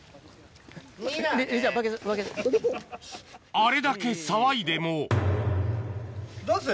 あれだけ騒いでもどうする？